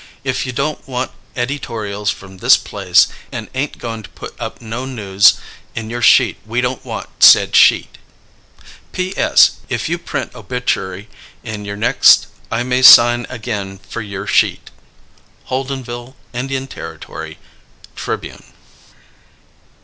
If you don't want edytorials from this place and ain't goin to put up no news in your shete we don't want said shete. "P.S. If you print obitchury in your next i may sine again fur yure shete." _Holdenville (Indian Territory) Tribune.